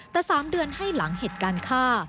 แต่๓เดือนให้หลังเหตุการณ์ฆ่า